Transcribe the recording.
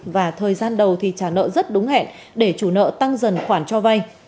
và thời gian đầu thì trả nợ rất đúng hẹn để chủ nợ tăng dần khoản cho vay